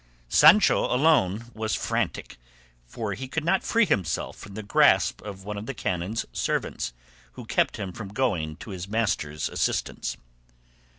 Sancho alone was frantic, for he could not free himself from the grasp of one of the canon's servants, who kept him from going to his master's assistance.